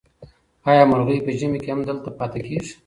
آیا مرغۍ په ژمي کې هم دلته پاتې کېږي؟